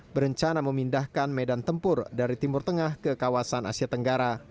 berencana memindahkan medan tempur dari timur tengah ke kawasan asia tenggara